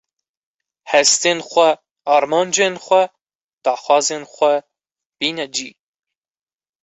hestên xwe, armancên xwe, daxwazên xwe bîne cî.